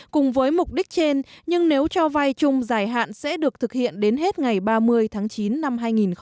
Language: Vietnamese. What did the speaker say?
cùng với mục đích trên nhưng nếu cho vay chung giải hạn sẽ được thực hiện đến hết ngày ba mươi tháng chín năm hai nghìn một mươi chín